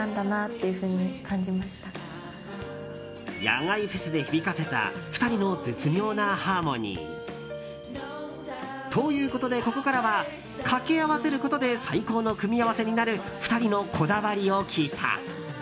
野外フェスで響かせた２人の絶妙なハーモニー。ということで、ここからは掛け合わせることで最高の組み合わせになる２人のこだわりを聞いた。